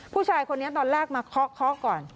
ผู้ชายคนนี้ตอนแรกมาเคาะเคาะก่อน